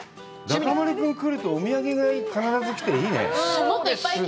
中丸君来ると、お土産が必ず来て、いいね。